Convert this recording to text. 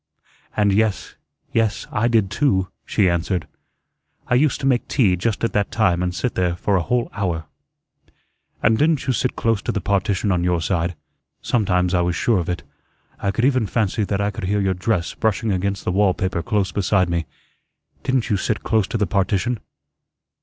"And, yes yes I did too," she answered. "I used to make tea just at that time and sit there for a whole hour." "And didn't you sit close to the partition on your side? Sometimes I was sure of it. I could even fancy that I could hear your dress brushing against the wall paper close beside me. Didn't you sit close to the partition?"